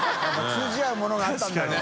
通じ合うものがあったんだろうな